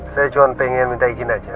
saya cuma pengen minta izin aja